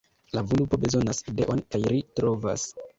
La vulpo bezonas ideon... kaj ri trovas!